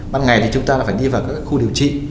ban ngày thì chúng ta phải đi vào các khu điều trị